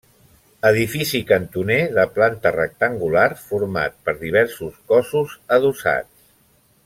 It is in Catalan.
Edifici cantoner de planta rectangular, format per diversos cossos adossats.